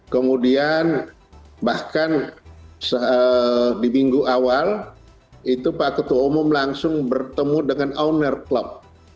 kemudian bahkan di minggu awal itu pak ketua umum langsung bertemu dengan owner klub